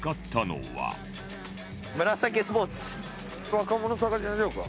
若者探しましょうか？